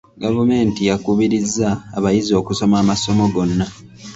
Gavumenti yakubirizza abayizi okusoma amasomo gonna.